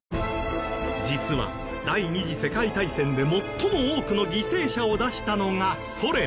実は第２次世界大戦で最も多くの犠牲者を出したのがソ連。